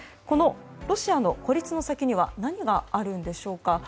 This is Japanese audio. このロシアの孤立の先には何があるんでしょうか。